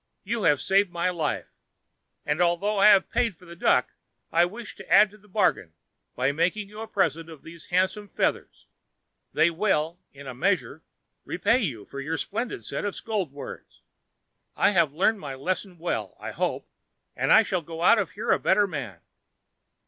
You have saved my life, and, although I have paid for the duck, I wish to add to the bargain by making you a present of these handsome feathers. They will, in a measure, repay you for your splendid set of scold words. I have learned my lesson well, I hope, and I shall go out from here a better man.